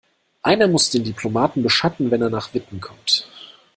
Einer muss den Diplomaten beschatten, wenn er nach Witten kommt.